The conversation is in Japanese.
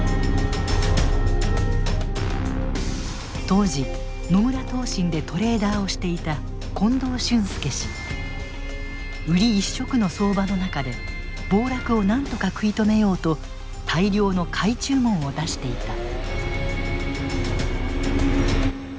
当時野村投信でトレーダーをしていた売り一色の相場の中で暴落をなんとか食い止めようと大量の買い注文を出していた。